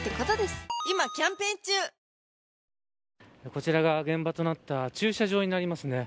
こちらが現場となった駐車場になりますね。